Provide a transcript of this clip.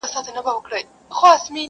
خریدار چي سوم د اوښکو دُر دانه سوم,